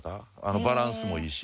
バランスもいいし。